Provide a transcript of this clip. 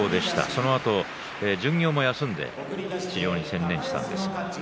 そのあと巡業を休んで治療に専念したんです。